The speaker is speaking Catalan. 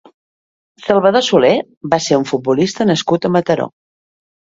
Salvador Soler va ser un futbolista nascut a Mataró.